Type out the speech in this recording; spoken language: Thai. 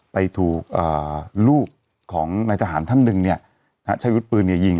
ไปถูกเอ่อลูกของนายทหารท่านหนึ่งเนี่ยฮะใช้ยุทธปืนเนี่ยยิง